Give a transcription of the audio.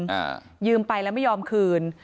อ่ายืมไปแล้วไม่ยอมคืน